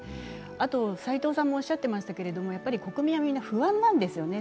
あと、斎藤さんもおっしゃっていましたけれども、国民はみんな不安なんですよね